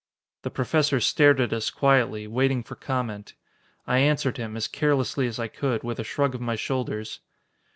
The Professor stared at us quietly, waiting for comment. I answered him, as carelessly as I could, with a shrug of my shoulders.